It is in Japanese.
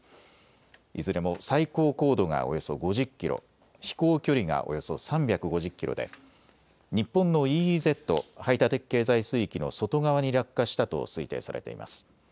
いずれも最高高度がおよそ５０キロ、飛行距離がおよそ３５０キロで日本のＥＥＺ・排他的経済水域の外側に落下したと推定されています。